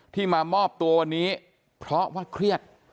มามอบตัววันนี้เพราะว่าเครียด